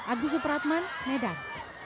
agus supratman medan